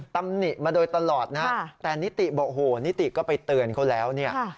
ตำนิมาโดยตลอดนะครับแต่นิติโบโหนิติก็ไปเตือนเขาแล้ว